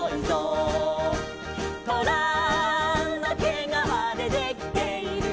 「とらのけがわでできている」